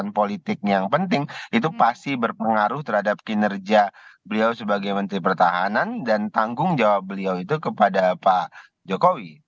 politik yang penting itu pasti berpengaruh terhadap kinerja beliau sebagai menteri pertahanan dan tanggung jawab beliau itu kepada pak jokowi